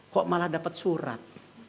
kok malah dapat surat